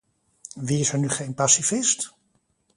Wie is er nu geen pacifist?